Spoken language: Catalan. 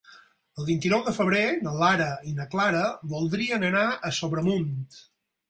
El vint-i-nou de febrer na Lara i na Clara voldrien anar a Sobremunt.